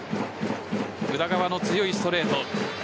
宇田川の強いストレート。